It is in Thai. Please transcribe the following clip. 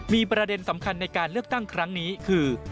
มีประเด็นสำคัญในการเลือกตั้งครั้งนี้คือ